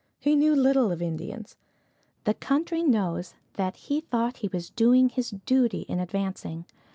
He knew little of Indians. The country knows that he thought he was doing his duty in advancing.